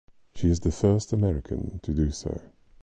She is the first American to do so.